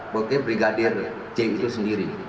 pokoknya brigadir j itu sendiri